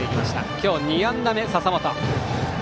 今日２安打目の笹本。